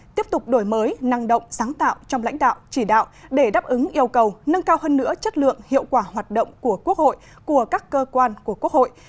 tiếp tục đổi mới năng động sáng tạo trong lãnh đạo chỉ đạo để đáp ứng yêu cầu nâng cao hơn nữa chất lượng hiệu quả hoạt động của quốc hội của các cơ quan của quốc hội